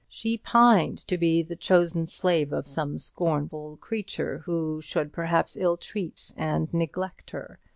She pined to be the chosen slave of some scornful creature, who should perhaps ill treat and neglect her.